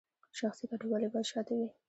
شخصي ګټې ولې باید شاته وي؟